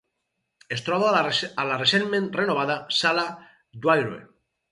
Es troba a la recentment renovada Sala Dwire.